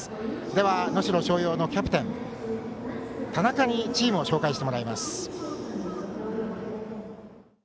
では、能代松陽のキャプテン田中にチームを紹介してもらいます。